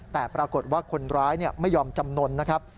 แต่ปรากฏว่าคนร้ายไม่ยอมจำนวนนะครับ